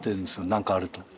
何かあると。